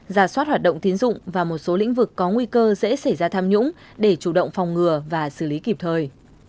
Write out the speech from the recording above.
giả soát hoạt động tiến dụng và một số lĩnh vực có nguy cơ dễ xảy ra tham nhũng để chủ động phòng ngừa và xử lý kịp thời